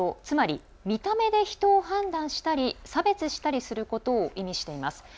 つまり見た目で人を判断したり差別したりすることを意味しています。